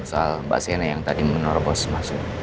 soal mbak sena yang tadi menerobos masuk